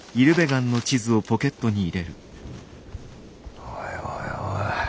おいおいおい。